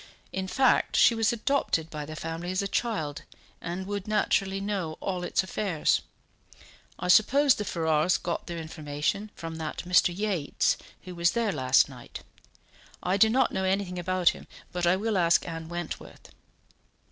In fact, she was adopted by the family as a child, and would naturally know all its affairs. I suppose the Ferrars got their information from that Mr. Yates who was there last night; I do not know anything about him, but I will ask Anne Wentworth."